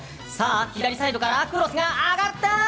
左サイドからクロスが上がった。